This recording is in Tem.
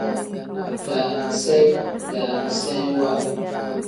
Daaniseyi pl: daaniseyiwa n.